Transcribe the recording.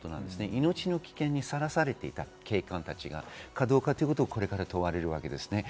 命の危険にさらされていた警官たちがどうかということが問われます。